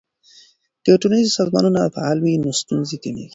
که ټولنیز سازمانونه فعال وي نو ستونزې کمیږي.